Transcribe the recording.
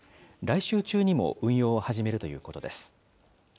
来週中にも運用を始めるということです。